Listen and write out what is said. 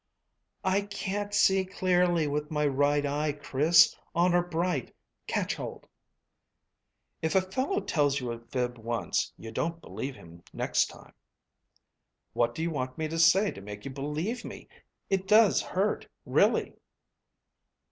"I can't see clearly with my right eye, Chris, honour bright. Catch hold." "If a fellow tells you a fib once, you don't believe him next time." "What do you want me to say to make you believe me? It does hurt, really."